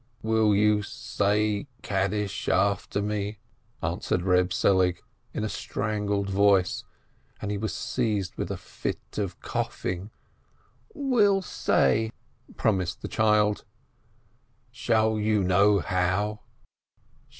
426 RAISIN "Will you say Kaddish after me?" asked Eeb Selig, in a strangled voice, and he was seized with a fit of coughing. "Will say !" promised the child. "Shall you know how?"